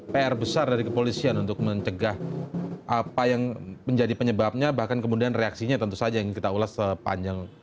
pr besar dari kepolisian untuk mencegah apa yang menjadi penyebabnya bahkan kemudian reaksinya tentu saja ingin kita ulas sepanjang